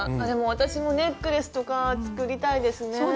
でも私もネックレスとか作りたいですね。